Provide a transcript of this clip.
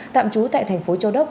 tạm trú tại thành phố châu đốc